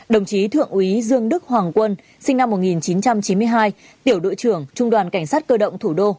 đồng chí thượng úy dương đức hoàng quân sinh năm một nghìn chín trăm chín mươi hai tiểu đội trưởng trung đoàn cảnh sát cơ động thủ đô